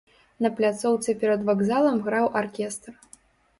На пляцоўцы перад вакзалам граў аркестр.